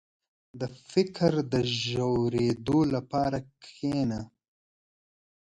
• د فکر د ژورېدو لپاره کښېنه.